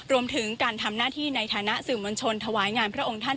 รวมถึงการทำหน้าที่ในฐานะสื่อมวลชนถวายงานพระองค์ท่าน